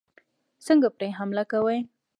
څنګه پرې حملې کوي.